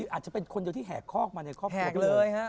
อาจจะเป็นคนเดียวที่แหกแครอคเขาเลย